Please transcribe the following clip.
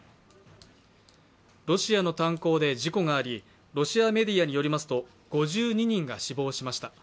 ロシアの炭鉱で事故があり、ロシアメディアによりますと５２人が死亡しました。